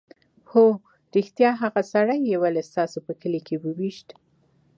_هو رښتيا! هغه سړی يې ولې ستاسو په کلي کې وويشت؟